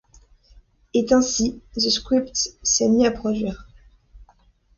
Et ainsi The Script s'est mis à produire.